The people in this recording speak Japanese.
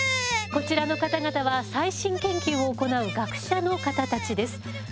こちらの方々は最新研究を行う学者の方たちです。